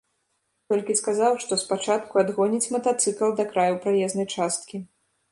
Толькі сказаў, што спачатку адгоніць матацыкл да краю праезнай часткі.